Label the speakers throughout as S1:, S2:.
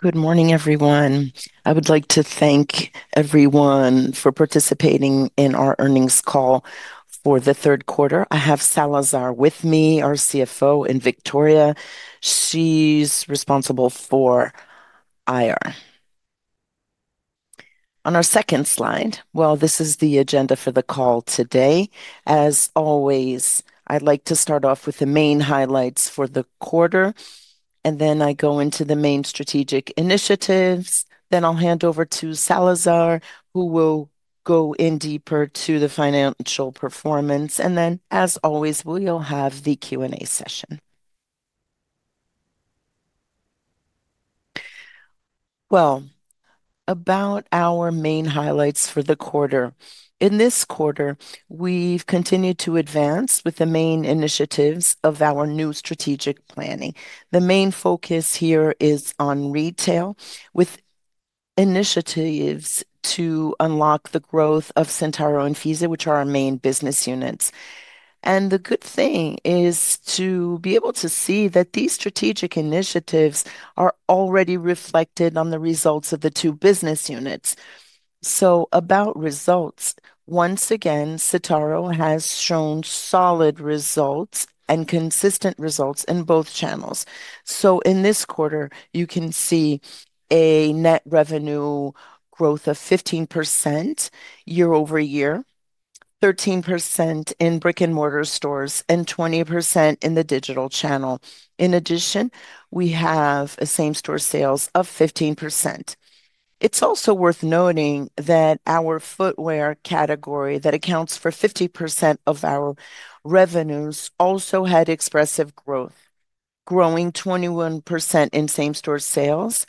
S1: Good morning, everyone. I would like to thank everyone for participating in our earnings call for the third quarter. I have Salazar with me, our CFO, and Victoria. She is responsible for IR. On our second slide, this is the agenda for the call today. As always, I'd like to start off with the main highlights for the quarter, and then I go into the main strategic initiatives. Then I'll hand over to Salazar, who will go in deeper to the financial performance. As always, we'll have the Q&A session. About our main highlights for the quarter. In this quarter, we've continued to advance with the main initiatives of our new strategic planning. The main focus here is on retail, with initiatives to unlock the growth of Centauro and Fisia, which are our main business units. The good thing is to be able to see that these strategic initiatives are already reflected on the results of the two business units. About results, once again, Centauro has shown solid results and consistent results in both channels. In this quarter, you can see a net revenue growth of 15% year-over-year, 13% in brick-and-mortar stores, and 20% in the digital channel. In addition, we have a same-store sales of 15%. It is also worth noting that our footwear category that accounts for 50% of our revenues also had expressive growth, growing 21% in same-store sales,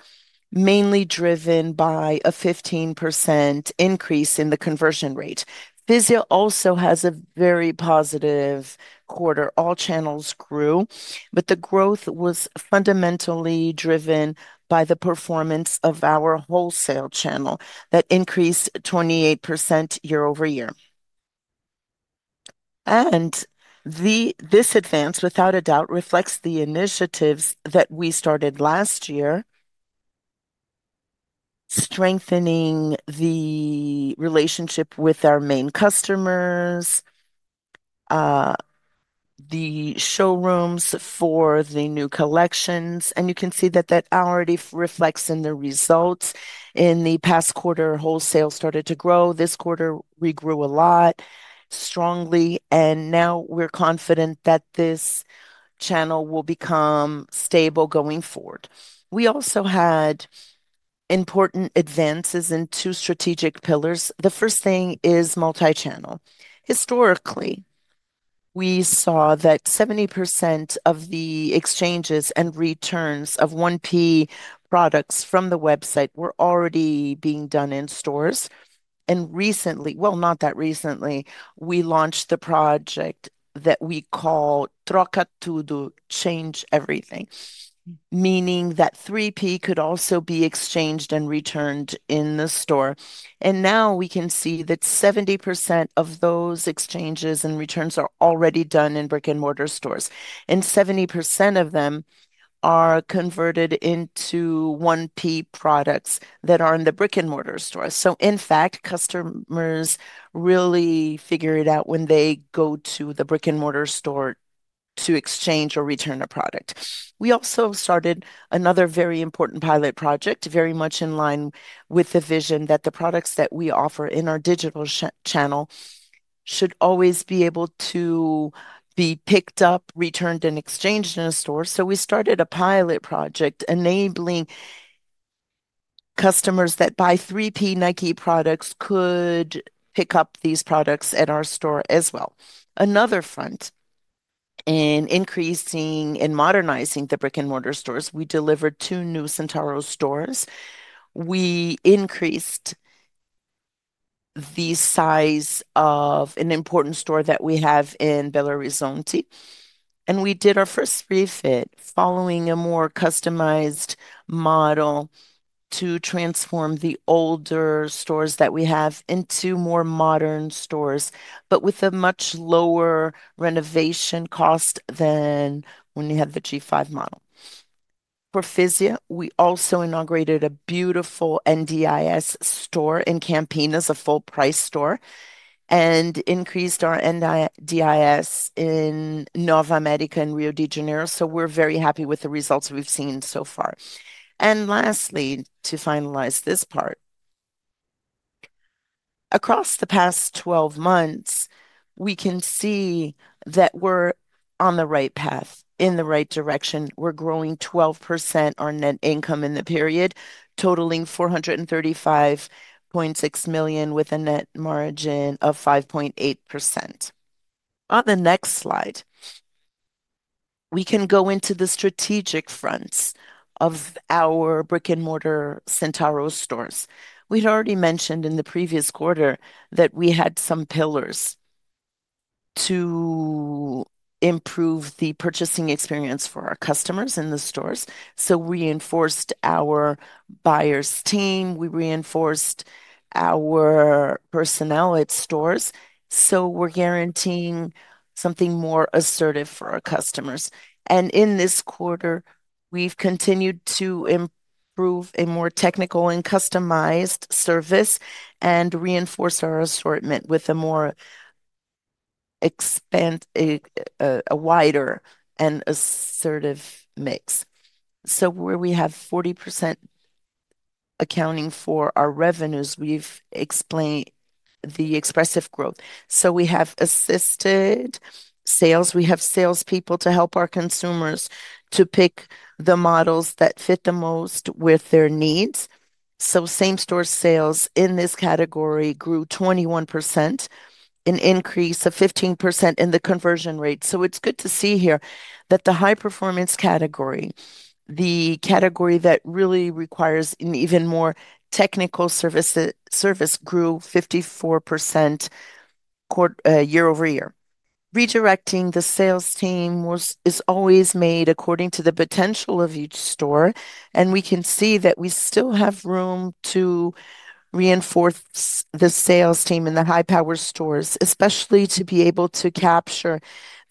S1: mainly driven by a 15% increase in the conversion rate. Fisia also has a very positive quarter. All channels grew, but the growth was fundamentally driven by the performance of our wholesale channel that increased 28% year-over-year. This advance, without a doubt, reflects the initiatives that we started last year, strengthening the relationship with our main customers, the showrooms for the new collections. You can see that that already reflects in the results. In the past quarter, wholesale started to grow. This quarter, we grew a lot, strongly, and now we're confident that this channel will become stable going forward. We also had important advances in two strategic pillars. The first thing is multi-channel. Historically, we saw that 70% of the exchanges and returns of 1P products from the website were already being done in stores. Recently, not that recently, we launched the project that we call Trocar Tudo, Change Everything, meaning that 3P could also be exchanged and returned in the store. We can see that 70% of those exchanges and returns are already done in brick-and-mortar stores, and 70% of them are converted into 1P products that are in the brick-and-mortar store. In fact, customers really figure it out when they go to the brick-and-mortar store to exchange or return a product. We also started another very important pilot project, very much in line with the vision that the products that we offer in our digital channel should always be able to be picked up, returned, and exchanged in a store. We started a pilot project enabling customers that buy 3P Nike products to pick up these products at our store as well. Another front in increasing and modernizing the brick-and-mortar stores, we delivered two new Centauro stores. We increased the size of an important store that we have in Belo Horizonte, and we did our first refit following a more customized model to transform the older stores that we have into more modern stores, but with a much lower renovation cost than when we had the G5 model. For Fisia, we also inaugurated a beautiful NDIS store in Campinas as a full-price store and increased our NDIS in Nova América and Rio de Janeiro. We are very happy with the results we have seen so far. Lastly, to finalize this part, across the past 12 months, we can see that we are on the right path, in the right direction. We are growing 12% our net income in the period, totaling 435.6 million with a net margin of 5.8%. On the next slide, we can go into the strategic fronts of our brick-and-mortar Centauro stores. We'd already mentioned in the previous quarter that we had some pillars to improve the purchasing experience for our customers in the stores. We reinforced our buyers' team. We reinforced our personnel at stores. We're guaranteeing something more assertive for our customers. In this quarter, we've continued to improve a more technical and customized service and reinforce our assortment with a more expansive, a wider and assertive mix. Where we have 40% accounting for our revenues, we've explained the expressive growth. We have assisted sales. We have salespeople to help our consumers to pick the models that fit the most with their needs. Same-store sales in this category grew 21%, an increase of 15% in the conversion rate. It's good to see here that the high-performance category, the category that really requires even more technical services, grew 54% year-over-year. Redirecting the sales team is always made according to the potential of each store, and we can see that we still have room to reinforce the sales team in the high-power stores, especially to be able to capture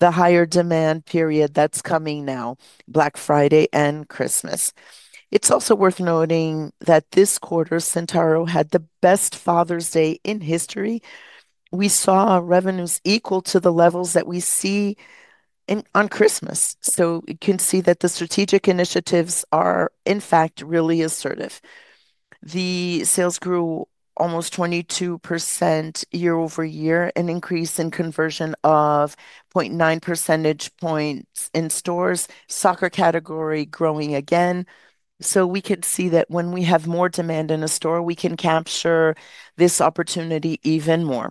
S1: the higher demand period that's coming now, Black Friday and Christmas. It's also worth noting that this quarter, Centauro had the best Father's Day in history. We saw revenues equal to the levels that we see on Christmas. You can see that the strategic initiatives are, in fact, really assertive. The sales grew almost 22% year-over-year, an increase in conversion of 0.9 percentage points in stores, soccer category growing again. We could see that when we have more demand in a store, we can capture this opportunity even more.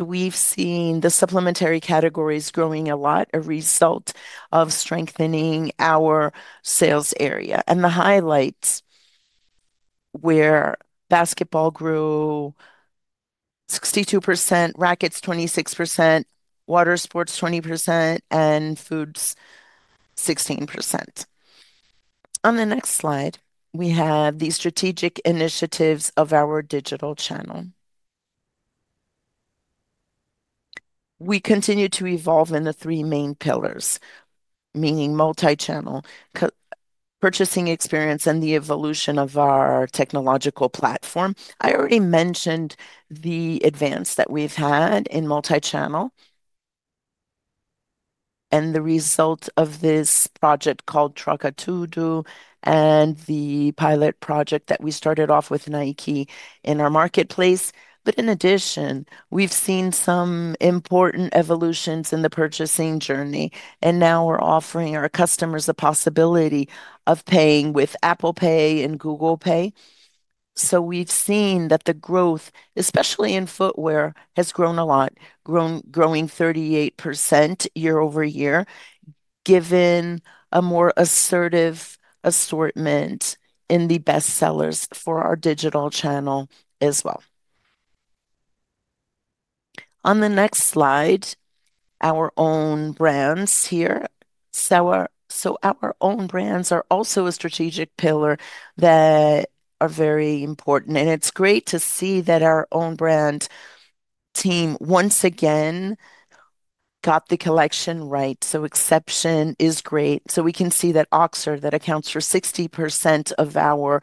S1: We've seen the supplementary categories growing a lot, a result of strengthening our sales area. The highlights were basketball grew 62%, rackets 26%, water sports 20%, and foods 16%. On the next slide, we have the strategic initiatives of our digital channel. We continue to evolve in the three main pillars, meaning multi-channel, purchasing experience, and the evolution of our technological platform. I already mentioned the advance that we've had in multi-channel and the result of this project called Trocar Tudo and the pilot project that we started off with Nike in our marketplace. In addition, we've seen some important evolutions in the purchasing journey, and now we're offering our customers the possibility of paying with Apple Pay and Google Pay. We've seen that the growth, especially in footwear, has grown a lot, growing 38% year-over-year, given a more assertive assortment in the best sellers for our digital channel as well. On the next slide, our own brands here. Our own brands are also a strategic pillar that are very important, and it's great to see that our own brand team once again got the collection right. Exception is great. We can see that Oxer, that accounts for 60% of our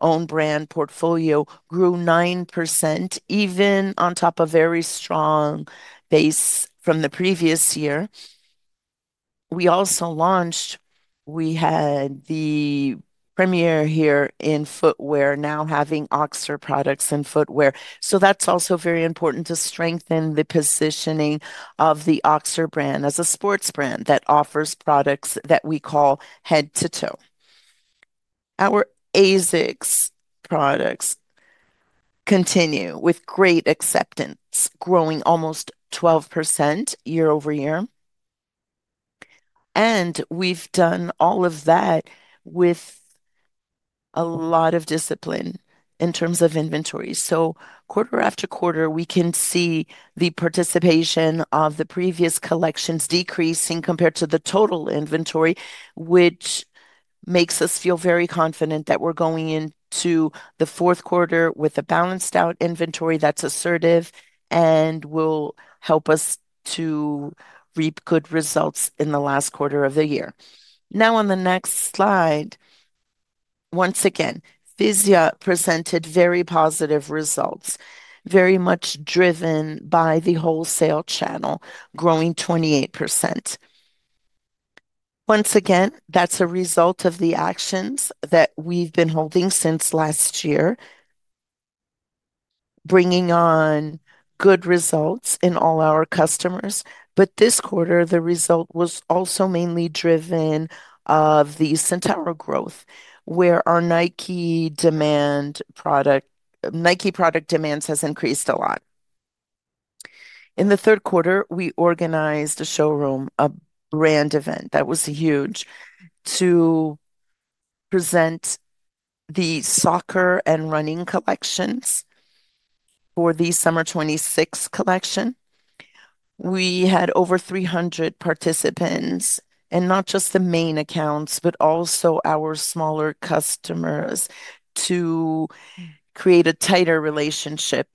S1: own brand portfolio, grew 9%, even on top of a very strong base from the previous year. We also launched, we had the premiere here in footwear, now having Oxer products in footwear. That is also very important to strengthen the positioning of the Oxer brand as a sports brand that offers products that we call head-to-toe. Our ASICS products continue with great acceptance, growing almost 12% year-over-year. We have done all of that with a lot of discipline in terms of inventory. Quarter after quarter, we can see the participation of the previous collections decreasing compared to the total inventory, which makes us feel very confident that we're going into the fourth quarter with a balanced out inventory that's assertive and will help us to reap good results in the last quarter of the year. Now, on the next slide, once again, Fisia presented very positive results, very much driven by the wholesale channel, growing 28%. Once again, that's a result of the actions that we've been holding since last year, bringing on good results in all our customers. This quarter, the result was also mainly driven by the Centauro growth, where our Nike product demands have increased a lot. In the third quarter, we organized a showroom, a brand event that was huge, to present the soccer and running collections for the Summer 2026 collection. We had over 300 participants, and not just the main accounts, but also our smaller customers to create a tighter relationship.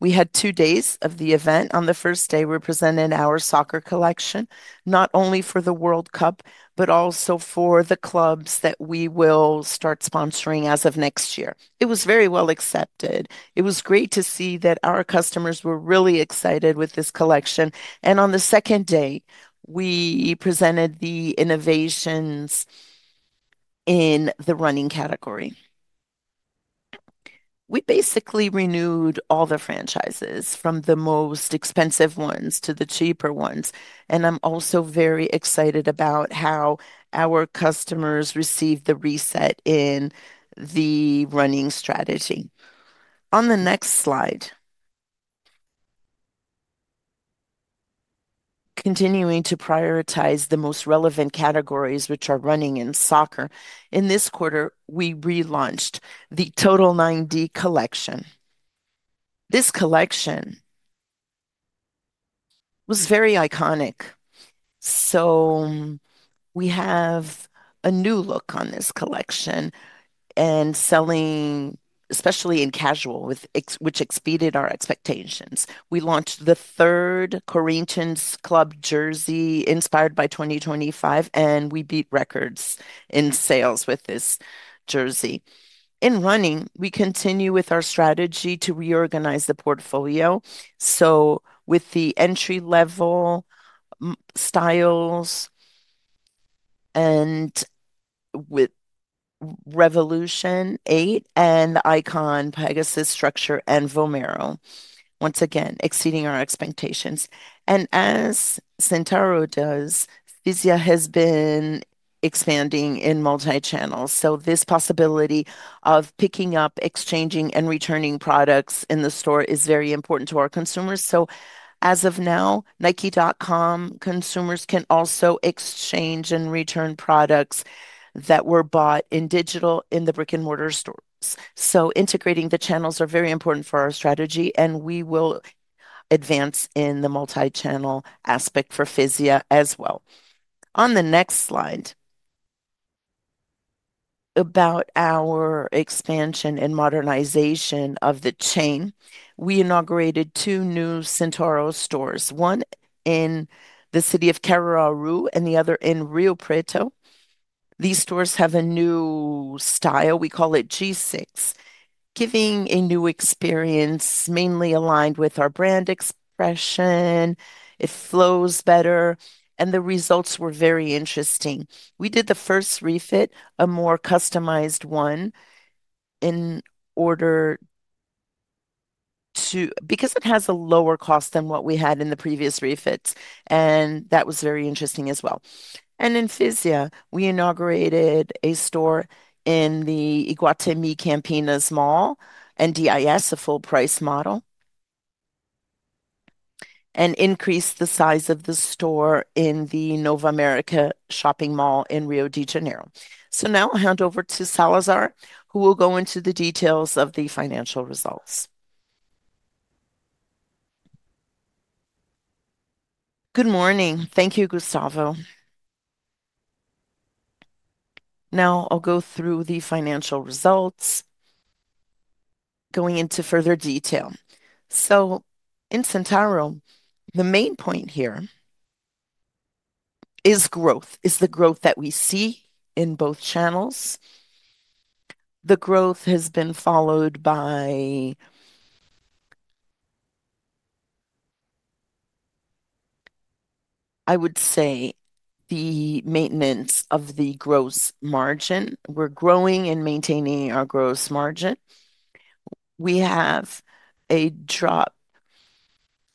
S1: We had two days of the event. On the first day, we presented our soccer collection, not only for the World Cup, but also for the clubs that we will start sponsoring as of next year. It was very well accepted. It was great to see that our customers were really excited with this collection. On the second day, we presented the innovations in the running category. We basically renewed all the franchises, from the most expensive ones to the cheaper ones. I'm also very excited about how our customers received the reset in the running strategy. On the next slide, continuing to prioritize the most relevant categories, which are running and soccer. In this quarter, we relaunched the Total 90 collection. This collection was very iconic. We have a new look on this collection and selling, especially in casual, which exceeded our expectations. We launched the third Corinthians Club jersey inspired by 2025, and we beat records in sales with this jersey. In running, we continue with our strategy to reorganize the portfolio. With the entry-level styles and with Revolution 8 and the Icon Pegasus, Structure, and Vomero, once again, exceeding our expectations. As Centauro does, Fisia has been expanding in multi-channels. This possibility of picking up, exchanging, and returning products in the store is very important to our consumers. As of now, Nike.com consumers can also exchange and return products that were bought in digital in the brick-and-mortar stores. Integrating the channels is very important for our strategy, and we will advance in the multi-channel aspect for Fisia as well. On the next slide, about our expansion and modernization of the chain, we inaugurated two new Centauro stores, one in the city of Caruaru and the other in Rio Preto. These stores have a new style. We call it G6, giving a new experience, mainly aligned with our brand expression. It flows better, and the results were very interesting. We did the first refit, a more customized one in order to, because it has a lower cost than what we had in the previous refits, and that was very interesting as well. In Fisia, we inaugurated a store in the Iguatemi Campinas Mall and NDIS, a full-price model, and increased the size of the store in the Nova América shopping mall in Rio de Janeiro. Now I'll hand over to Salazar, who will go into the details of the financial results.
S2: Good morning. Thank you, Gustavo. Now I'll go through the financial results, going into further detail. In Centauro, the main point here is growth, is the growth that we see in both channels. The growth has been followed by, I would say, the maintenance of the gross margin. We're growing and maintaining our gross margin. We have a drop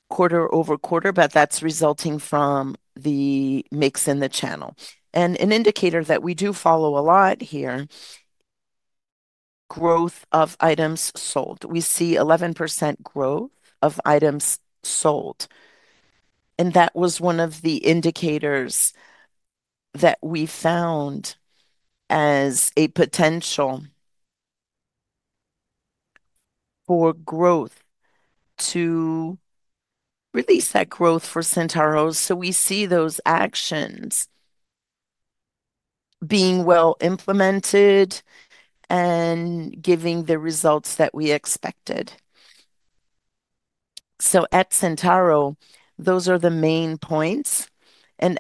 S2: quarter over quarter, but that's resulting from the mix in the channel. An indicator that we do follow a lot here, growth of items sold. We see 11% growth of items sold. That was one of the indicators that we found as a potential for growth to release that growth for Centauro. We see those actions being well implemented and giving the results that we expected. At Centauro, those are the main points.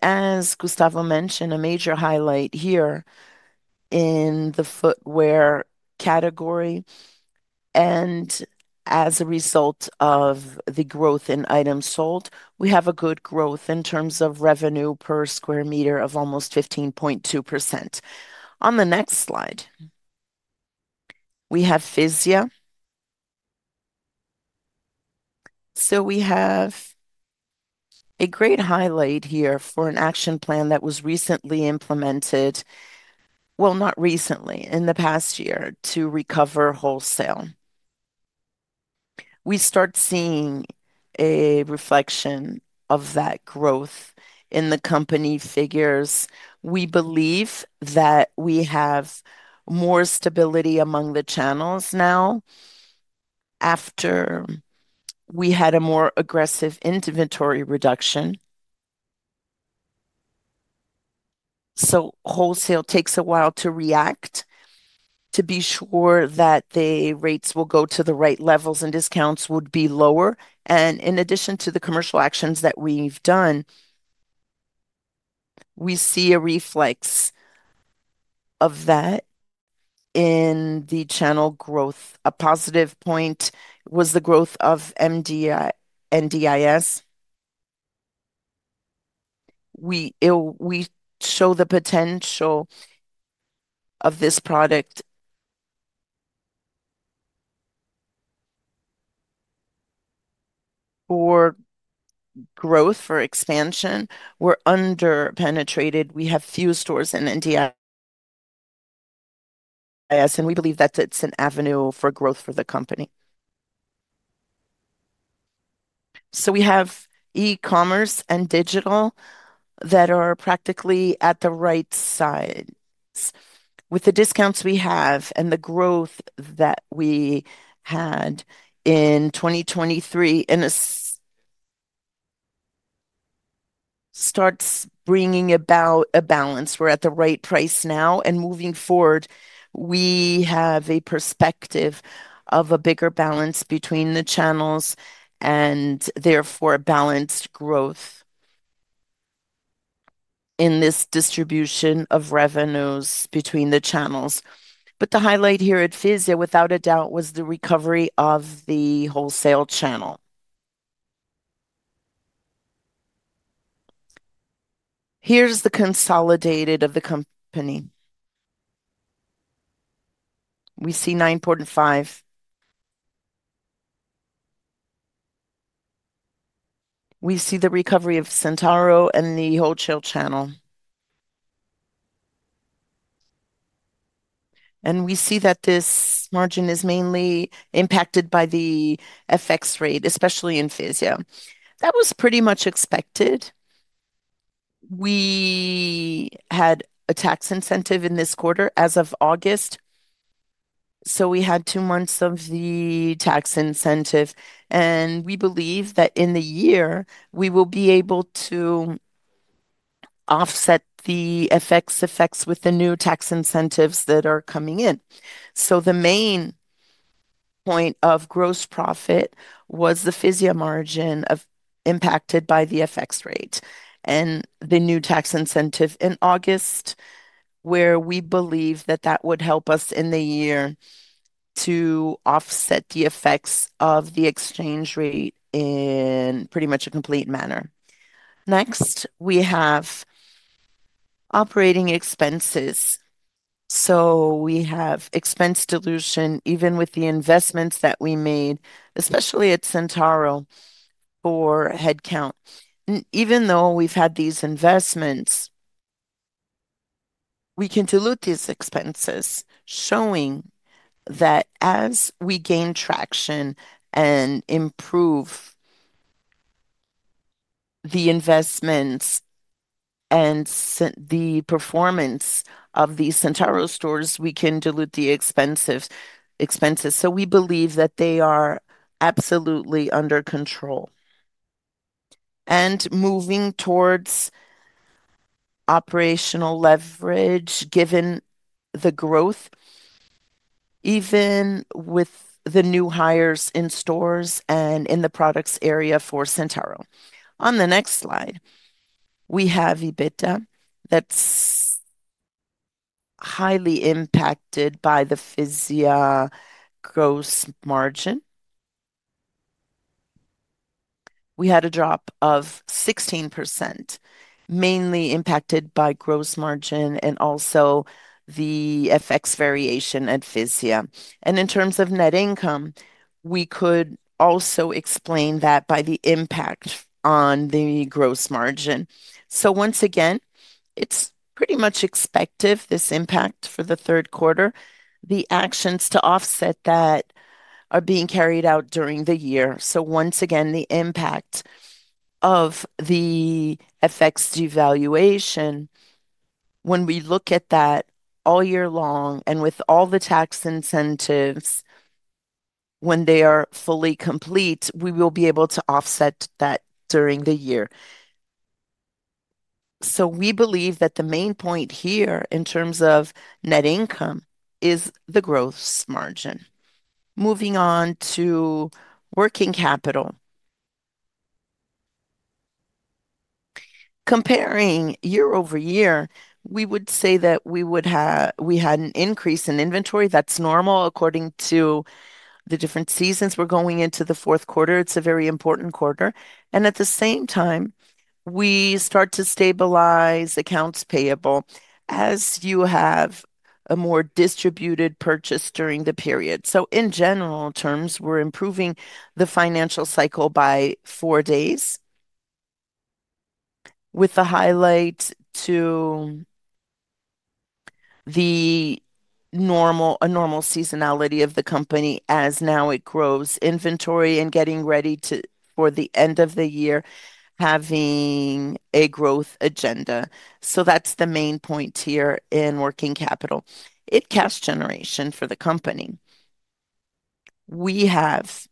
S2: As Gustavo mentioned, a major highlight here in the footwear category, and as a result of the growth in items sold, we have a good growth in terms of revenue per square meter of almost 15.2%. On the next slide, we have Fisia. We have a great highlight here for an action plan that was recently implemented, well, not recently, in the past year, to recover wholesale. We start seeing a reflection of that growth in the company figures. We believe that we have more stability among the channels now after we had a more aggressive inventory reduction. Wholesale takes a while to react, to be sure that the rates will go to the right levels and discounts would be lower. In addition to the commercial actions that we've done, we see a reflex of that in the channel growth. A positive point was the growth of NDIS. We show the potential of this product for growth, for expansion. We're under-penetrated. We have few stores in NDIS, and we believe that it's an avenue for growth for the company. We have e-commerce and digital that are practically at the right size. With the discounts we have and the growth that we had in 2023, it starts bringing about a balance. We're at the right price now, and moving forward, we have a perspective of a bigger balance between the channels and therefore balanced growth in this distribution of revenues between the channels. The highlight here at Fisia, without a doubt, was the recovery of the wholesale channel. Here's the consolidated of the company. We see 9.5. We see the recovery of Centauro and the wholesale channel. We see that this margin is mainly impacted by the FX rate, especially in Fisia. That was pretty much expected. We had a tax incentive in this quarter as of August. We had two months of the tax incentive, and we believe that in the year, we will be able to offset the FX effects with the new tax incentives that are coming in. The main point of gross profit was the Fisia margin impacted by the FX rate and the new tax incentive in August, where we believe that that would help us in the year to offset the effects of the exchange rate in pretty much a complete manner. Next, we have operating expenses. We have expense dilution, even with the investments that we made, especially at Centauro for headcount. Even though we've had these investments, we can dilute these expenses, showing that as we gain traction and improve the investments and the performance of these Centauro stores, we can dilute the expenses. We believe that they are absolutely under control. Moving towards operational leverage, given the growth, even with the new hires in stores and in the products area for Centauro. On the next slide, we have EBITDA that's highly impacted by the Fisia gross margin. We had a drop of 16%, mainly impacted by gross margin and also the FX variation at Fisia. In terms of net income, we could also explain that by the impact on the gross margin. Once again, it's pretty much expected, this impact for the third quarter. The actions to offset that are being carried out during the year. Once again, the impact of the FX devaluation, when we look at that all year long and with all the tax incentives, when they are fully complete, we will be able to offset that during the year. We believe that the main point here in terms of net income is the gross margin. Moving on to working capital. Comparing year-over-year, we would say that we had an increase in inventory. That's normal according to the different seasons. We're going into the fourth quarter. It's a very important quarter. At the same time, we start to stabilize accounts payable as you have a more distributed purchase during the period. In general terms, we're improving the financial cycle by four days, with a highlight to the normal seasonality of the company as now it grows inventory and getting ready for the end of the year, having a growth agenda. That's the main point here in working capital. It's cash generation for the company. We have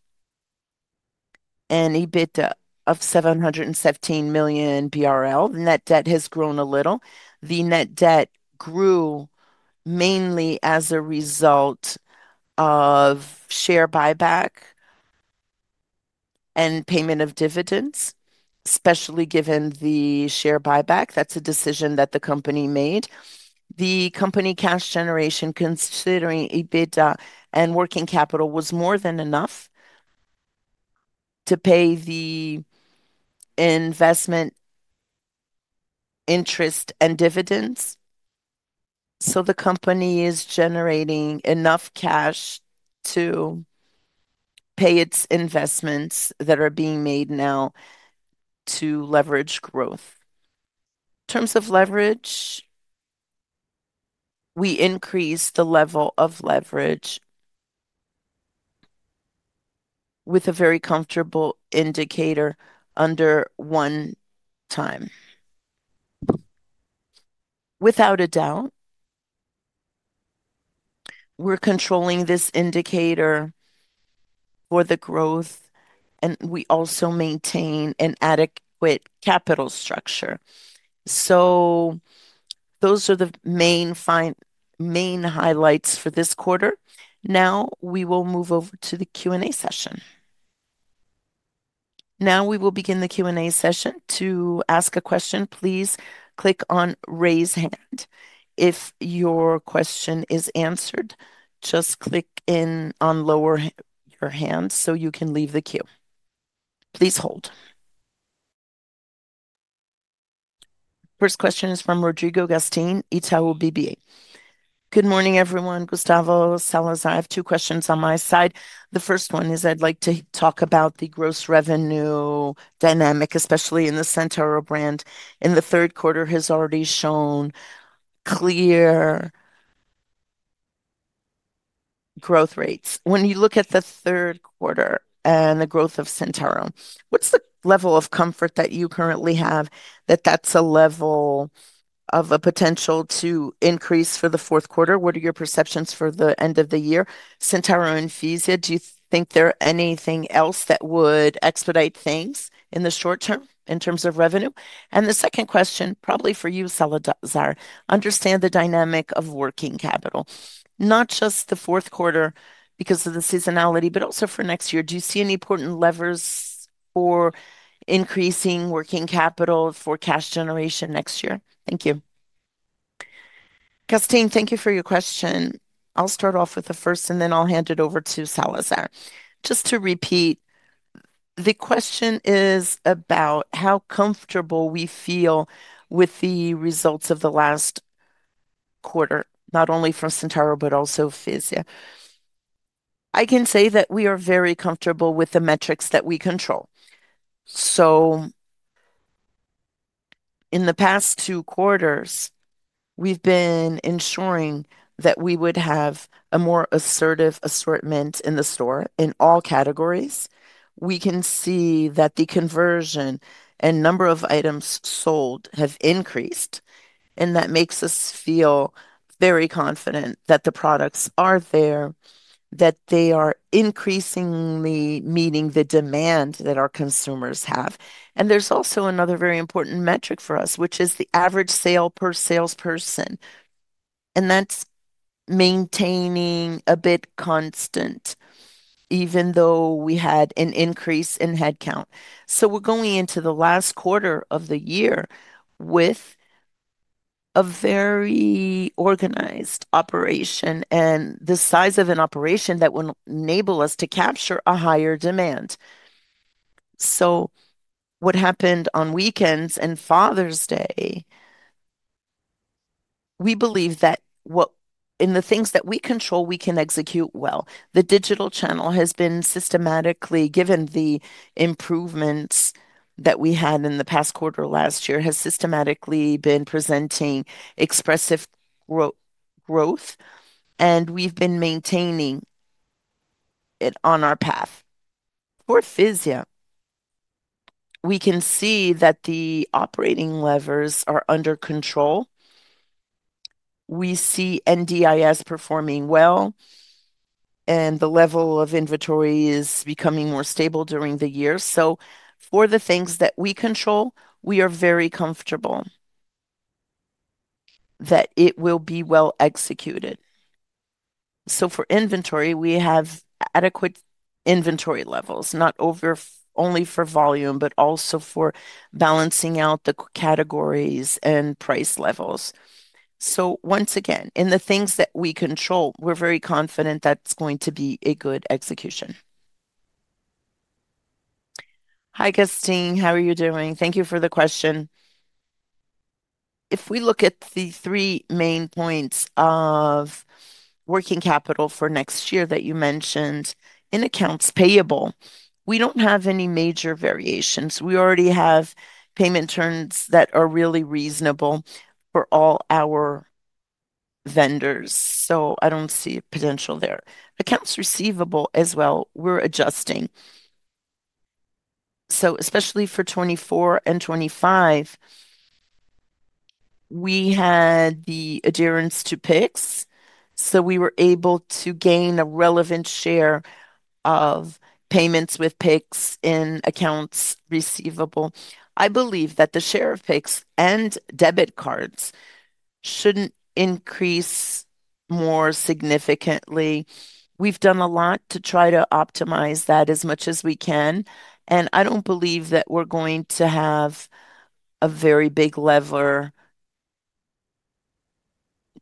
S2: an EBITDA of 7157 million BRL. Net debt has grown a little. The net debt grew mainly as a result of share buyback and payment of dividends, especially given the share buyback. That's a decision that the company made. The company cash generation, considering EBITDA and working capital, was more than enough to pay the investment interest and dividends. The company is generating enough cash to pay its investments that are being made now to leverage growth. In terms of leverage, we increased the level of leverage with a very comfortable indicator under one time. Without a doubt, we're controlling this indicator for the growth, and we also maintain an adequate capital structure. Those are the main highlights for this quarter. Now, we will move over to the Q&A session.
S3: Now, we will begin the Q&A session. To ask a question, please click on "Raise Hand." If your question is answered, just click on lower your hand so you can leave the queue. Please hold. First question is from Rodrigo Gastim, Itaú BBA.
S4: Good morning, everyone. Gustavo, Salazar, I have two questions on my side. The first one is I'd like to talk about the gross revenue dynamic, especially in the Centauro brand. In the third quarter, it has already shown clear growth rates. When you look at the third quarter and the growth of Centauro, what's the level of comfort that you currently have that that's a level of a potential to increase for the fourth quarter? What are your perceptions for the end of the year? Centauro and Fisia, do you think there are anything else that would expedite things in the short term in terms of revenue? The second question, probably for you, Salazar, understand the dynamic of working capital, not just the fourth quarter because of the seasonality, but also for next year. Do you see any important levers for increasing working capital for cash generation next year? Thank you.
S1: Gastim, thank you for your question. I'll start off with the first, and then I'll hand it over to Salazar. Just to repeat, the question is about how comfortable we feel with the results of the last quarter, not only from Centauro, but also Fisia. I can say that we are very comfortable with the metrics that we control. In the past two quarters, we've been ensuring that we would have a more assertive assortment in the store in all categories. We can see that the conversion and number of items sold have increased, and that makes us feel very confident that the products are there, that they are increasingly meeting the demand that our consumers have. There's also another very important metric for us, which is the average sale per salesperson, and that's maintaining a bit constant, even though we had an increase in headcount. We're going into the last quarter of the year with a very organized operation and the size of an operation that will enable us to capture a higher demand. What happened on weekends and Father's Day? We believe that in the things that we control, we can execute well. The digital channel has been systematically, given the improvements that we had in the past quarter last year, has systematically been presenting expressive growth, and we've been maintaining it on our path. For Fisia, we can see that the operating levers are under control. We see NDIS performing well, and the level of inventory is becoming more stable during the year. For the things that we control, we are very comfortable that it will be well executed. For inventory, we have adequate inventory levels, not only for volume, but also for balancing out the categories and price levels. Once again, in the things that we control, we're very confident that's going to be a good execution.
S2: Hi, Gastim. How are you doing? Thank you for the question. If we look at the three main points of working capital for next year that you mentioned in accounts payable, we don't have any major variations. We already have payment terms that are really reasonable for all our vendors, so I don't see a potential there. Accounts receivable as well, we're adjusting. Especially for 2024 and 2025, we had the adherence to PICs, so we were able to gain a relevant share of payments with PICs in accounts receivable. I believe that the share of PICs and debit cards shouldn't increase more significantly. We've done a lot to try to optimize that as much as we can, and I don't believe that we're going to have a very big lever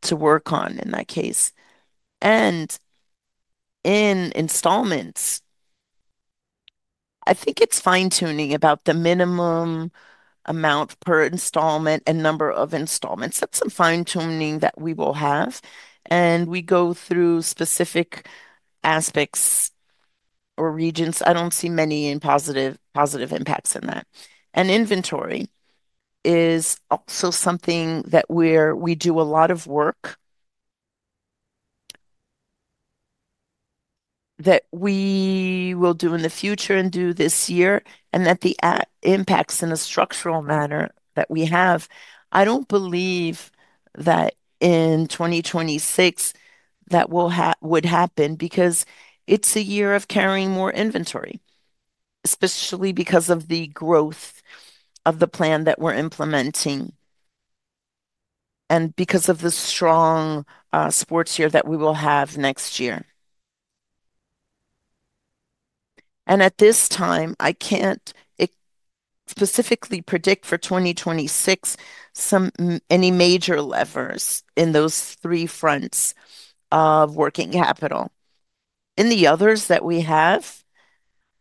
S2: to work on in that case. In installments, I think it's fine-tuning about the minimum amount per installment and number of installments. That's some fine-tuning that we will have, and we go through specific aspects or regions. I don't see many positive impacts in that. Inventory is also something that we do a lot of work that we will do in the future and do this year, and the impacts in a structural manner that we have, I don't believe that in 2026 that would happen because it's a year of carrying more inventory, especially because of the growth of the plan that we're implementing and because of the strong sports year that we will have next year. At this time, I can't specifically predict for 2026 any major levers in those three fronts of working capital. In the others that we have,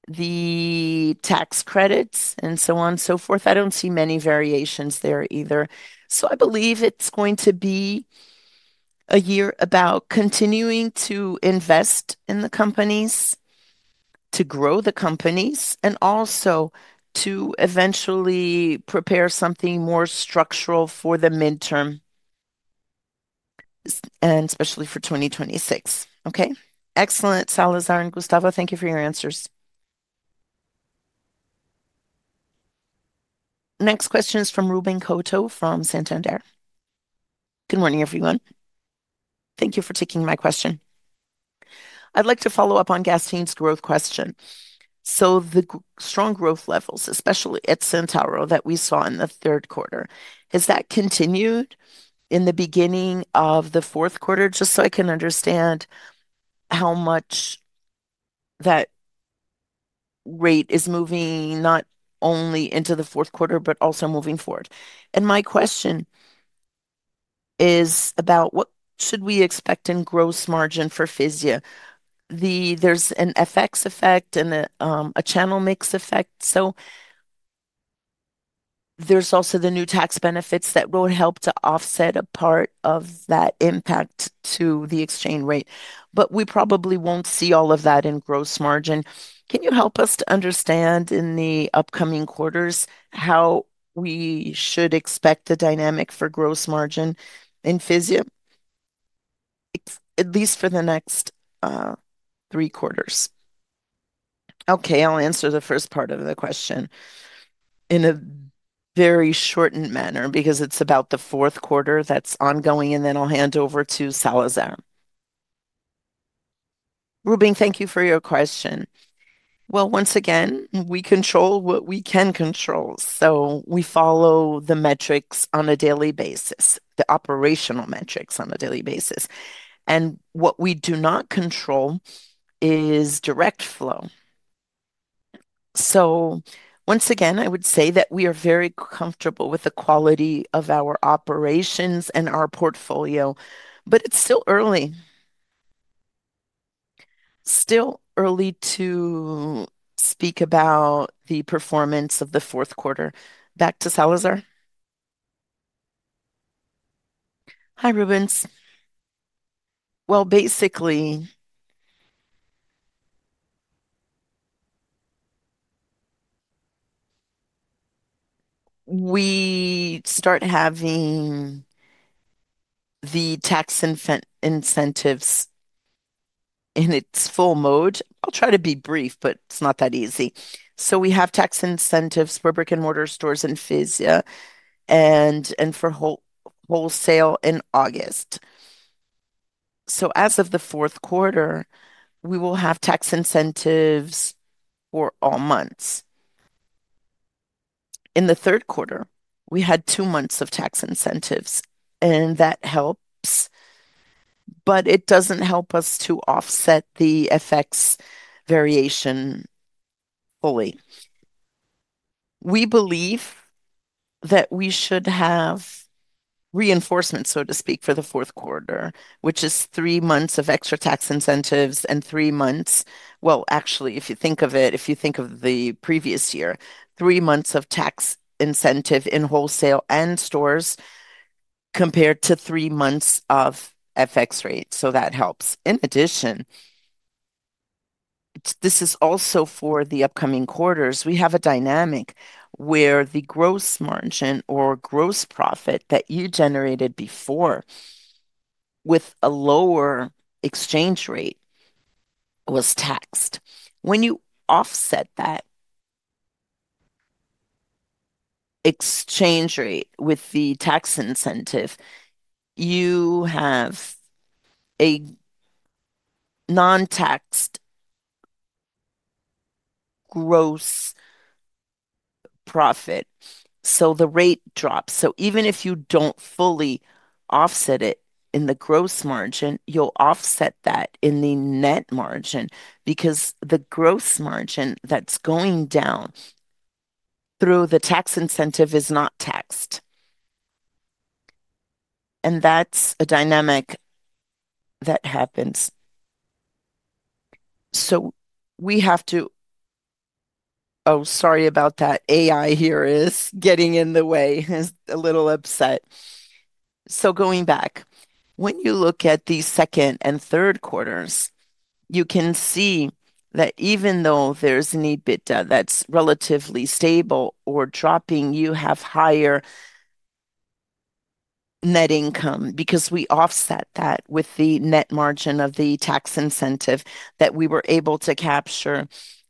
S2: the tax credits and so on and so forth, I don't see many variations there either. I believe it's going to be a year about continuing to invest in the companies, to grow the companies, and also to eventually prepare something more structural for the midterm, and especially for 2026. Okay?
S4: Excellent, Salazar and Gustavo. Thank you for your answers.
S3: Next question is from Ruben Couto from Santander.
S5: Good morning, everyone. Thank you for taking my question. I'd like to follow up on Gastim's growth question. The strong growth levels, especially at Centauro that we saw in the third quarter, has that continued in the beginning of the fourth quarter? Just so I can understand how much that rate is moving not only into the fourth quarter, but also moving forward. My question is about what should we expect in gross margin for Fisia? There's an FX effect and a channel mix effect. There's also the new tax benefits that will help to offset a part of that impact to the exchange rate, but we probably won't see all of that in gross margin. Can you help us to understand in the upcoming quarters how we should expect the dynamic for gross margin in Fisia, at least for the next three quarters?
S1: Okay, I'll answer the first part of the question in a very shortened manner because it's about the fourth quarter that's ongoing, and then I'll hand over to Salazar. Ruben, thank you for your question. Once again, we control what we can control. We follow the metrics on a daily basis, the operational metrics on a daily basis. What we do not control is direct flow. Once again, I would say that we are very comfortable with the quality of our operations and our portfolio, but it's still early. Still early to speak about the performance of the fourth quarter. Back to Salazar.
S2: Hi, Ruben. Basically, we start having the tax incentives in its full mode. I'll try to be brief, but it's not that easy. We have tax incentives for brick-and-mortar stores in Fisia and for wholesale in August. As of the fourth quarter, we will have tax incentives for all months. In the third quarter, we had two months of tax incentives, and that helps, but it doesn't help us to offset the FX variation fully. We believe that we should have reinforcement, so to speak, for the fourth quarter, which is three months of extra tax incentives and three months—actually, if you think of it, if you think of the previous year, three months of tax incentive in wholesale and stores compared to three months of FX rate. That helps. In addition, this is also for the upcoming quarters. We have a dynamic where the gross margin or gross profit that you generated before with a lower exchange rate was taxed. When you offset that exchange rate with the tax incentive, you have a non-taxed gross profit. The rate drops. Even if you do not fully offset it in the gross margin, you will offset that in the net margin because the gross margin that is going down through the tax incentive is not taxed. That is a dynamic that happens. We have to—oh, sorry about that. AI here is getting in the way, is a little upset. Going back, when you look at the second and third quarters, you can see that even though there's an EBITDA that's relatively stable or dropping, you have higher net income because we offset that with the net margin of the tax incentive that we were able to capture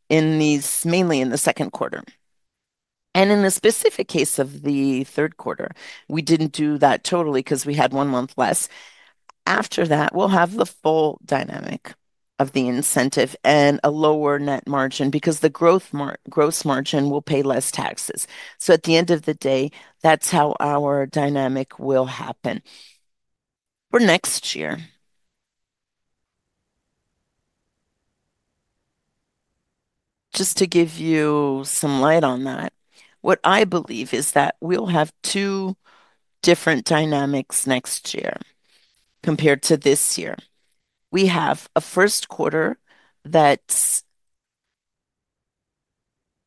S2: in these, mainly in the second quarter. In the specific case of the third quarter, we did not do that totally because we had one month less. After that, we will have the full dynamic of the incentive and a lower net margin because the gross margin will pay less taxes. At the end of the day, that's how our dynamic will happen. For next year, just to give you some light on that, what I believe is that we'll have two different dynamics next year compared to this year. We have a first quarter that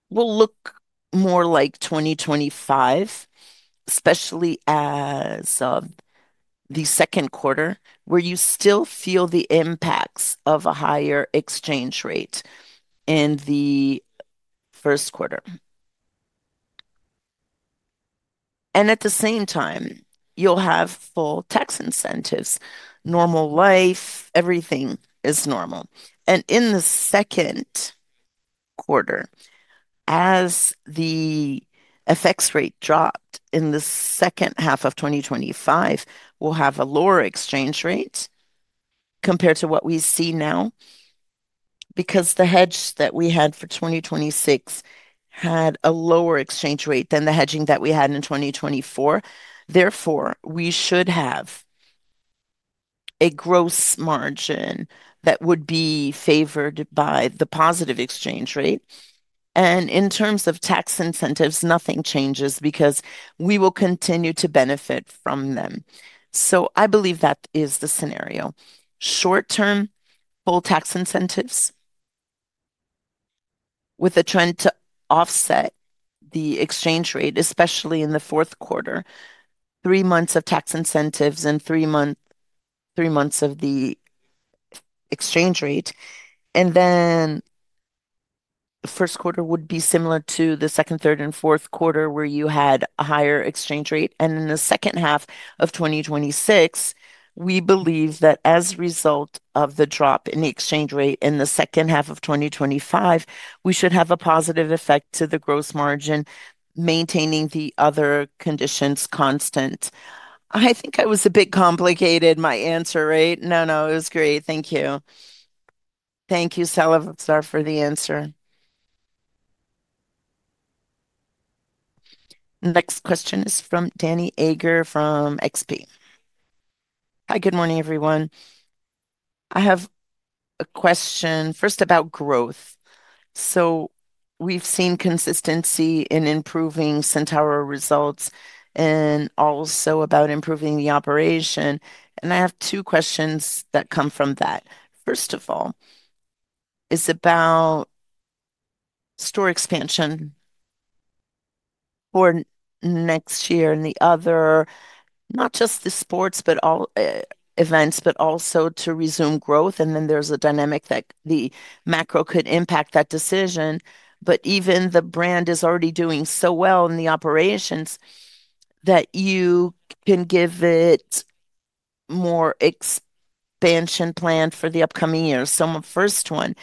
S2: will look more like 2025, especially as of the second quarter, where you still feel the impacts of a higher exchange rate in the first quarter. At the same time, you'll have full tax incentives, normal life, everything is normal. In the second quarter, as the FX rate dropped in the second half of 2025, we'll have a lower exchange rate compared to what we see now because the hedge that we had for 2026 had a lower exchange rate than the hedging that we had in 2024. Therefore, we should have a gross margin that would be favored by the positive exchange rate. In terms of tax incentives, nothing changes because we will continue to benefit from them. I believe that is the scenario. Short-term, full tax incentives with a trend to offset the exchange rate, especially in the fourth quarter, three months of tax incentives and three months of the exchange rate. The first quarter would be similar to the second, third, and fourth quarter where you had a higher exchange rate. In the second half of 2026, we believe that as a result of the drop in the exchange rate in the second half of 2025, we should have a positive effect to the gross margin, maintaining the other conditions constant. I think I was a bit complicated, my answer, right?
S5: No, no, it was great. Thank you. Thank you, Salazar, for the answer.
S3: Next question is from Danni Eiger from XP.
S6: Hi, good morning, everyone. I have a question first about growth. We've seen consistency in improving Centauro results and also about improving the operation. I have two questions that come from that. First of all, it's about store expansion for next year and the other, not just the sports, but all events, but also to resume growth. There is a dynamic that the macro could impact that decision, but even the brand is already doing so well in the operations that you can give it more expansion plan for the upcoming year. First one,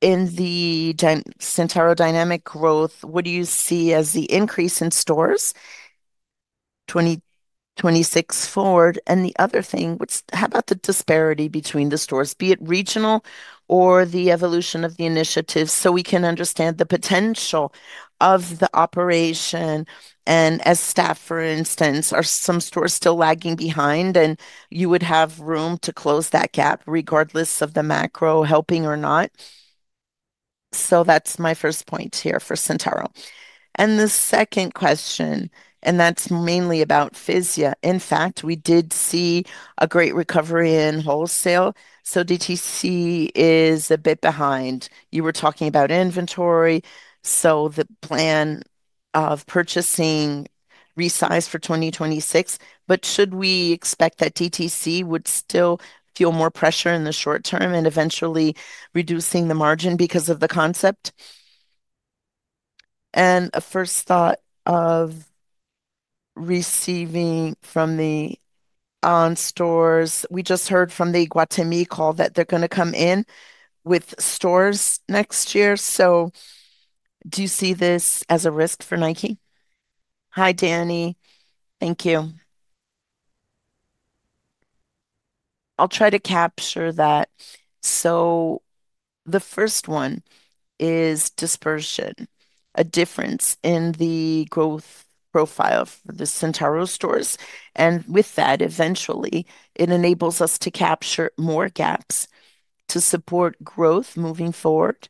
S6: in the Centauro dynamic growth, what do you see as the increase in stores 2026 forward? The other thing, how about the disparity between the stores, be it regional or the evolution of the initiatives? We can understand the potential of the operation. As staff, for instance, are some stores still lagging behind? You would have room to close that gap regardless of the macro helping or not. That is my first point here for Centauro. The second question, and that is mainly about Fisia. In fact, we did see a great recovery in wholesale. TTC is a bit behind. You were talking about inventory. The plan of purchasing resize for 2026, but should we expect that TTC would still feel more pressure in the short term and eventually reduce the margin because of the concept? A first thought of receiving from the On stores, we just heard from the Iguatemi call that they are going to come in with stores next year. Do you see this as a risk for Nike?
S1: Hi, Danni. Thank you. I will try to capture that. The first one is dispersion, a difference in the growth profile for the Centauro stores. With that, eventually, it enables us to capture more gaps to support growth moving forward.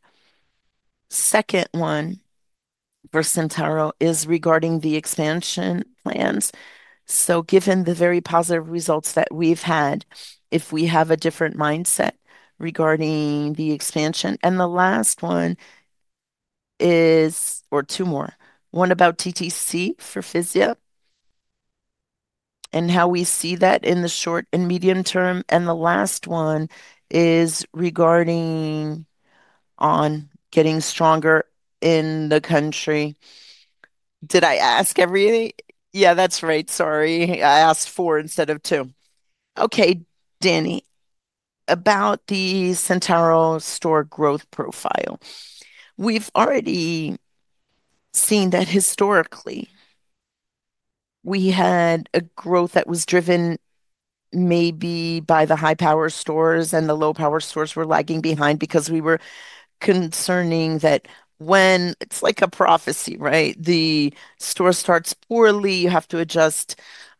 S1: The second one for Centauro is regarding the expansion plans. Given the very positive results that we've had, if we have a different mindset regarding the expansion. The last one is, or two more, one about TTC for Fisia and how we see that in the short and medium term. The last one is regarding On getting stronger in the country. Did I ask everything?
S6: Yeah, that's right. Sorry. I asked four instead of two.
S1: Okay, Danni, about the Centauro store growth profile. We've already seen that historically we had a growth that was driven maybe by the high-power stores and the low-power stores were lagging behind because we were concerning that when it's like a prophecy, right? The store starts poorly, you have to adjust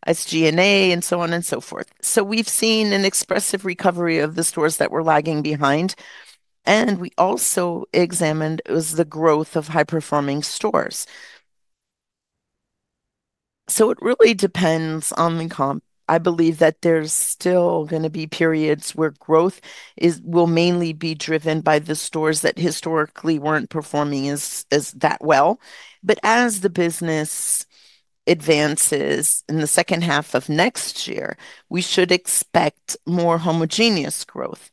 S1: SG&A and so on and so forth. We have seen an expressive recovery of the stores that were lagging behind. We also examined the growth of high-performing stores. It really depends on the comp. I believe that there is still going to be periods where growth will mainly be driven by the stores that historically were not performing as well. As the business advances in the second half of next year, we should expect more homogeneous growth.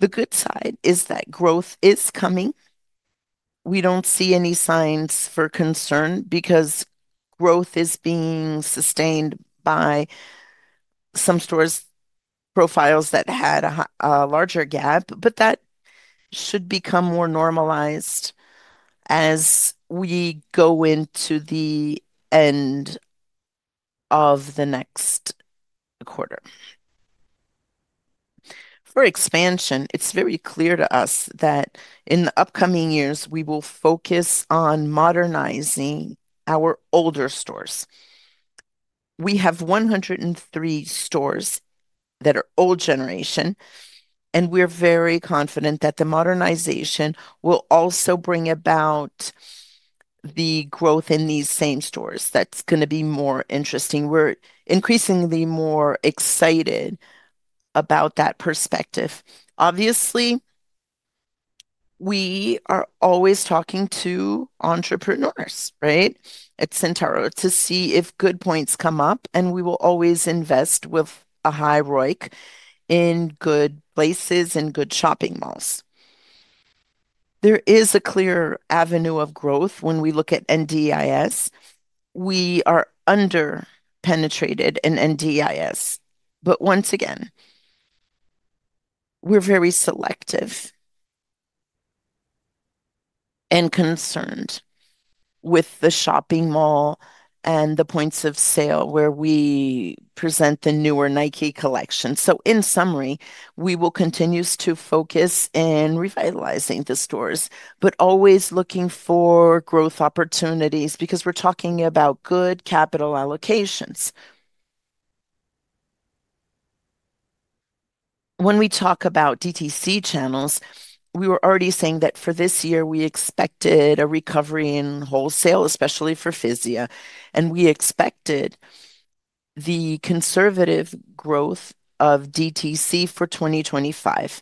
S1: The good side is that growth is coming. We do not see any signs for concern because growth is being sustained by some stores' profiles that had a larger gap, but that should become more normalized as we go into the end of the next quarter. For expansion, it's very clear to us that in the upcoming years, we will focus on modernizing our older stores. We have 103 stores that are old generation, and we're very confident that the modernization will also bring about the growth in these same stores. That's going to be more interesting. We're increasingly more excited about that perspective. Obviously, we are always talking to entrepreneurs, right, at Centauro to see if good points come up, and we will always invest with a high ROIC in good places and good shopping malls. There is a clear avenue of growth when we look at NDIS. We are under-penetrated in NDIS, but once again, we're very selective and concerned with the shopping mall and the points of sale where we present the newer Nike collection. In summary, we will continue to focus in revitalizing the stores, but always looking for growth opportunities because we're talking about good capital allocations. When we talk about TTC channels, we were already saying that for this year, we expected a recovery in wholesale, especially for Fisia, and we expected the conservative growth of DTC for 2025.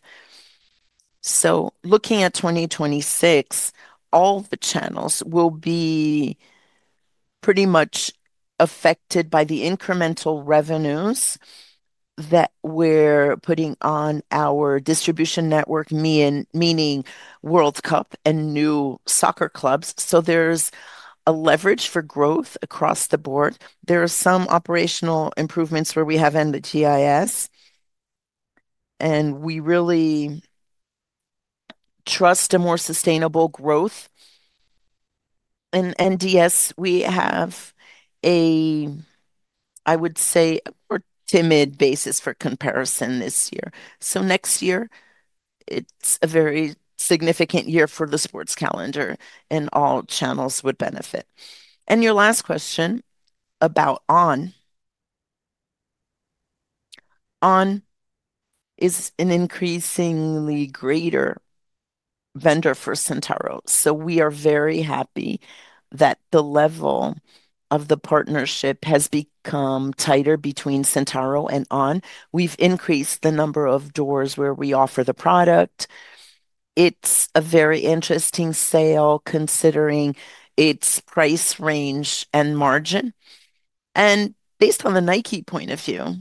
S1: Looking at 2026, all the channels will be pretty much affected by the incremental revenues that we're putting on our distribution network, meaning World Cup and new soccer clubs. There's a leverage for growth across the board. There are some operational improvements where we have NDIS, and we really trust a more sustainable growth. In NDIS, we have a, I would say, more timid basis for comparison this year. Next year, it's a very significant year for the sports calendar, and all channels would benefit. Your last question about On. On is an increasingly greater vendor for Centauro. We are very happy that the level of the partnership has become tighter between Centauro and On. We've increased the number of doors where we offer the product. It's a very interesting sale considering its price range and margin. Based on the Nike point of view,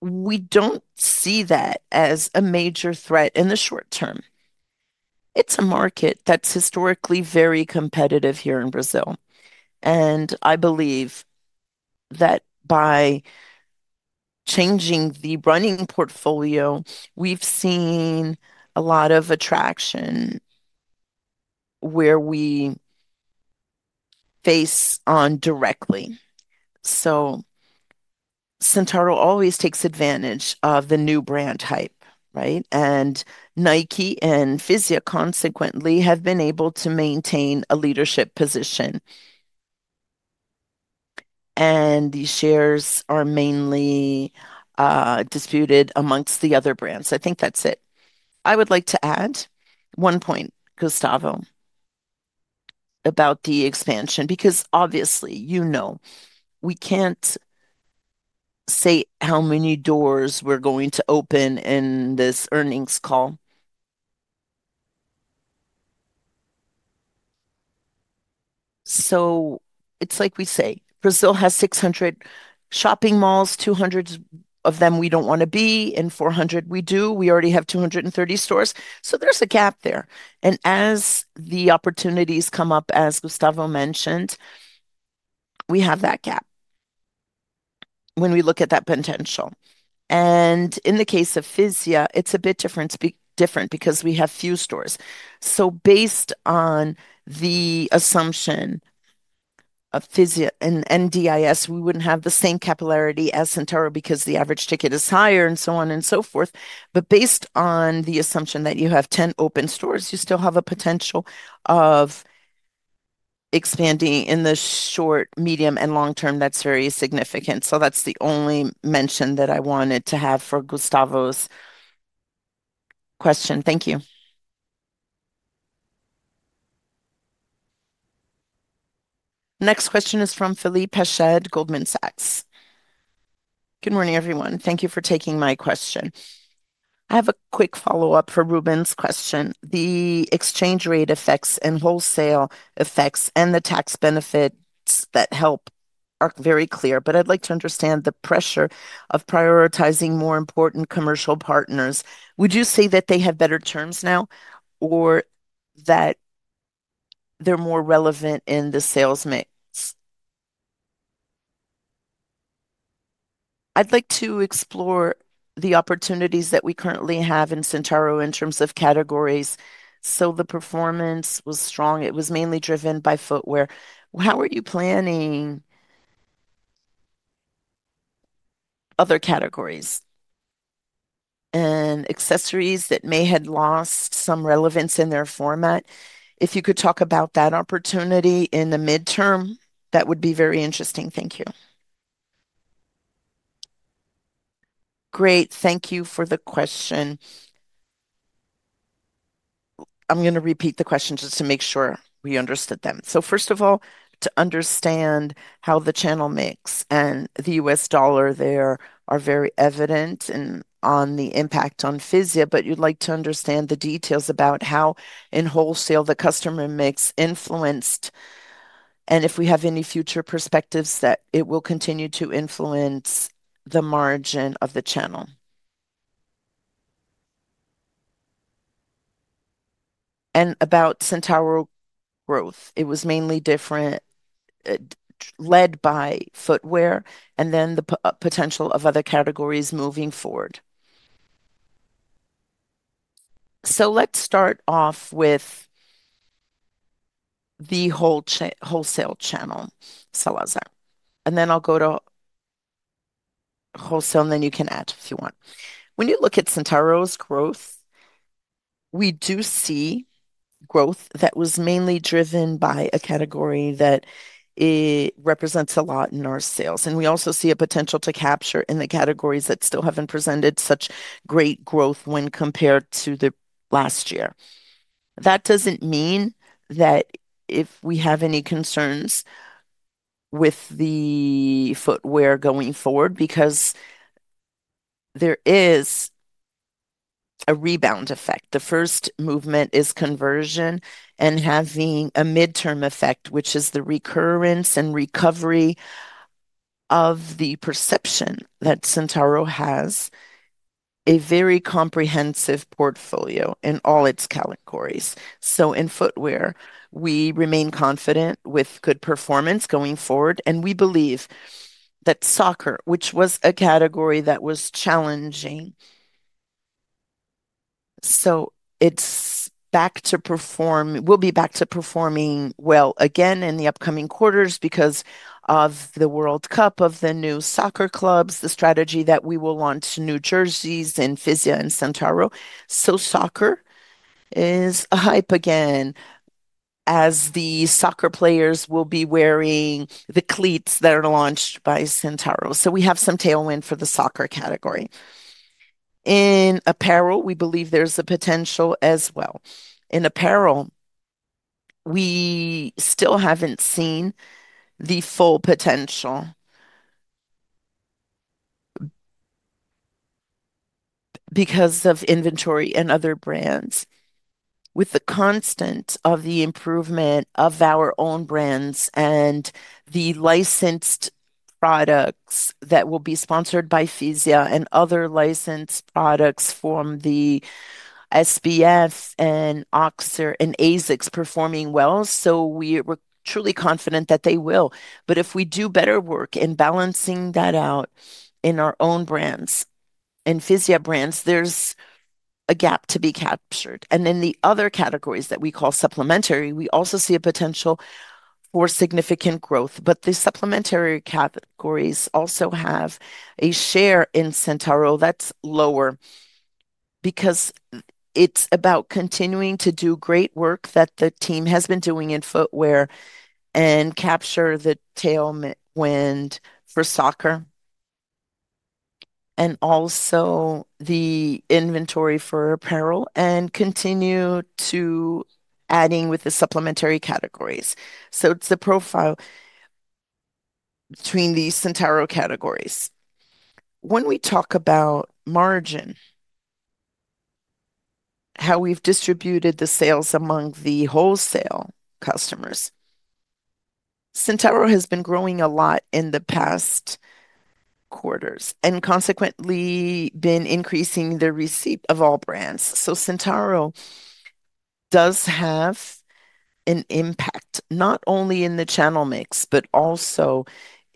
S1: we do not see that as a major threat in the short term. It is a market that is historically very competitive here in Brazil. I believe that by changing the running portfolio, we've seen a lot of attraction where we face On directly. Centauro always takes advantage of the new brand type, right? Nike and Fisia, consequently, have been able to maintain a leadership position. These shares are mainly disputed amongst the other brands. I think that's it.
S2: I would like to add one point, Gustavo, about the expansion, because obviously, you know, we can't say how many doors we're going to open in this earnings call. Brazil has 600 shopping malls, 200 of them we don't want to be, and 400 we do. We already have 230 stores. There's a gap there. As the opportunities come up, as Gustavo mentioned, we have that gap when we look at that potential. In the case of Fisia, it's a bit different because we have few stores. Based on the assumption of Fisia and NDIS, we wouldn't have the same capillarity as Centauro because the average ticket is higher and so on and so forth. Based on the assumption that you have 10 open stores, you still have a potential of expanding in the short, medium, and long term. That's very significant. That's the only mention that I wanted to have for Gustavo's question. Thank you.
S3: Next question is from Felipe Rached, Goldman Sachs.
S7: Good morning, everyone. Thank you for taking my question. I have a quick follow-up for Ruben's question. The exchange rate effects and wholesale effects and the tax benefits that help are very clear, but I'd like to understand the pressure of prioritizing more important commercial partners. Would you say that they have better terms now or that they're more relevant in the sales mix? I'd like to explore the opportunities that we currently have in Centauro in terms of categories. The performance was strong. It was mainly driven by footwear. How are you planning other categories and accessories that may have lost some relevance in their format? If you could talk about that opportunity in the midterm, that would be very interesting.
S1: Thank you. Great. Thank you for the question. I'm going to repeat the question just to make sure we understood them. First of all, to understand how the channel mix and the US dollar are very evident on the impact on Fisia, but you'd like to understand the details about how in wholesale the customer mix influenced and if we have any future perspectives that it will continue to influence the margin of the channel. About Centauro growth, it was mainly different led by footwear and then the potential of other categories moving forward. Let's start off with the wholesale channel, Salazar. I'll go to wholesale, and then you can add if you want. When you look at Centauro's growth, we do see growth that was mainly driven by a category that represents a lot in our sales. We also see a potential to capture in the categories that still have not presented such great growth when compared to last year. That does not mean that we have any concerns with the footwear going forward, because there is a rebound effect. The first movement is conversion and having a midterm effect, which is the recurrence and recovery of the perception that Centauro has a very comprehensive portfolio in all its categories. In footwear, we remain confident with good performance going forward. We believe that soccer, which was a category that was challenging, is back to perform, and will be back to performing well again in the upcoming quarters because of the World Cup, the new soccer clubs, and the strategy that we will launch new jerseys in Fisia and Centauro. Soccer is a hype again as the soccer players will be wearing the cleats that are launched by Centauro. We have some tailwind for the soccer category. In apparel, we believe there's a potential as well. In apparel, we still haven't seen the full potential because of inventory and other brands. With the constant improvement of our own brands and the licensed products that will be sponsored by Fisia and other licensed products from SBF and Oxer and ASICS performing well, we are truly confident that they will. If we do better work in balancing that out in our own brands and Fisia brands, there's a gap to be captured. The other categories that we call supplementary, we also see a potential for significant growth. The supplementary categories also have a share in Centauro that's lower because it's about continuing to do great work that the team has been doing in footwear and capture the tailwind for soccer and also the inventory for apparel and continue to adding with the supplementary categories. It's the profile between the Centauro categories. When we talk about margin, how we've distributed the sales among the wholesale customers, Centauro has been growing a lot in the past quarters and consequently been increasing the receipt of all brands. Centauro does have an impact not only in the channel mix, but also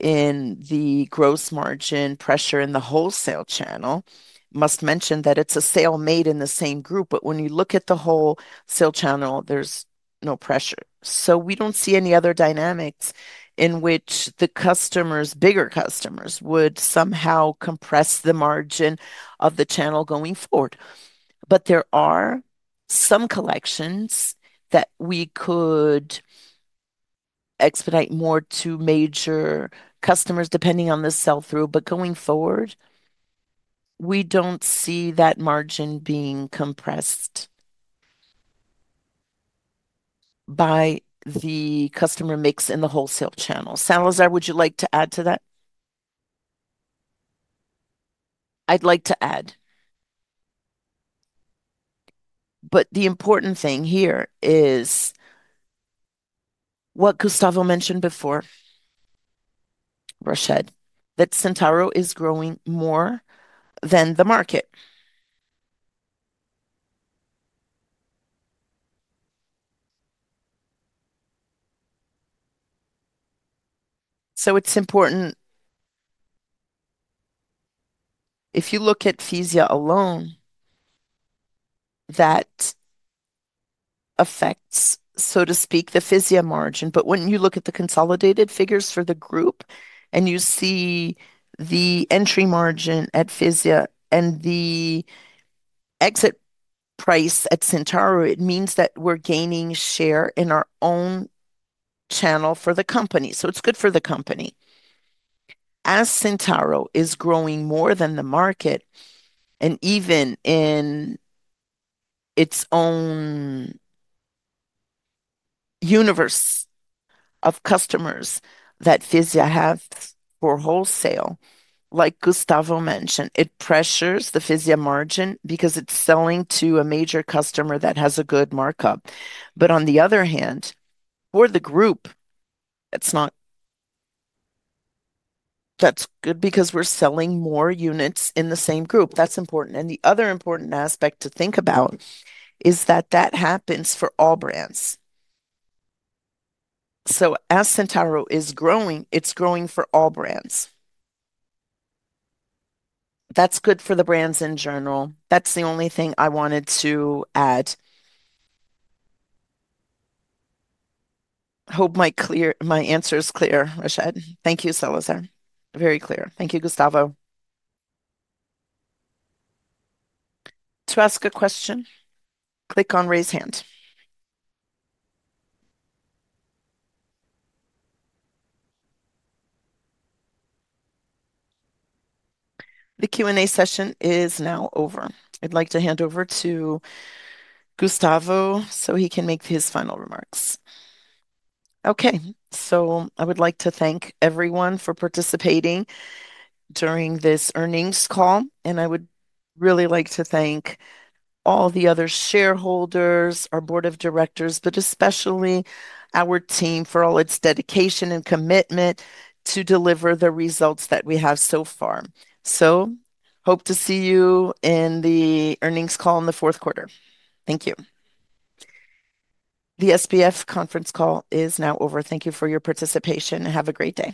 S1: in the gross margin pressure in the wholesale channel. Must mention that it's a sale made in the same group, but when you look at the wholesale channel, there's no pressure. We do not see any other dynamics in which the customers, bigger customers, would somehow compress the margin of the channel going forward. There are some collections that we could expedite more to major customers depending on the sell-through. Going forward, we do not see that margin being compressed by the customer mix in the wholesale channel. Salazar, would you like to add to that?
S2: I would like to add. The important thing here is what Gustavo mentioned before, Rochette, that Centauro is growing more than the market. It is important if you look at Fisia alone, that affects, so to speak, the Fisia margin. When you look at the consolidated figures for the group and you see the entry margin at Fisia and the exit price at Centauro, it means that we are gaining share in our own channel for the company. It is good for the company. As Centauro is growing more than the market and even in its own universe of customers that Fisia has for wholesale, like Gustavo mentioned, it pressures the Fisia margin because it's selling to a major customer that has a good markup. On the other hand, for the group, that's good because we're selling more units in the same group. That's important. The other important aspect to think about is that that happens for all brands. As Centauro is growing, it's growing for all brands. That's good for the brands in general. That's the only thing I wanted to add. Hope my answer is clear, Rached.
S7: Thank you, Salazar. Very clear. Thank you, Gustavo.
S3: To ask a question, click on raise hand. The Q&A session is now over. I'd like to hand over to Gustavo so he can make his final remarks.
S1: Okay. I would like to thank everyone for participating during this earnings call. I would really like to thank all the other shareholders, our board of directors, but especially our team for all its dedication and commitment to deliver the results that we have so far. I hope to see you in the earnings call in the fourth quarter. Thank you.
S3: The SBF conference call is now over. Thank you for your participation. Have a great day.